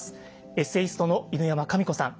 エッセイストの犬山紙子さん。